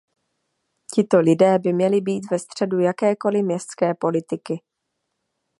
Tito lidé by měli být ve středu jakékoli městské politiky.